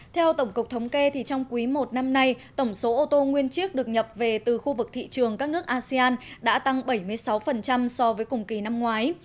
theo tổng cục thống kê trong quý i năm nay tổng số ô tô nguyên chiếc được nhập về từ khu vực thị trường các nước asean đã tăng bảy mươi sáu so với cùng kỳ năm ngoái